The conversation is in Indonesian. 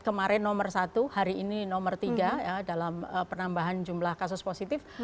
kemarin nomor satu hari ini nomor tiga dalam penambahan jumlah kasus positif